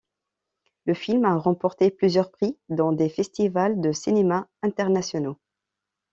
Le film a remporté plusieurs prix dans des festivals de cinéma internationaux.